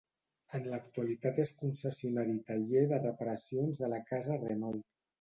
En l'actualitat és concessionari i taller de reparacions de la casa Renault.